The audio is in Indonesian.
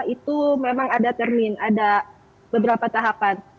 itu memang ada termin ada beberapa tahapan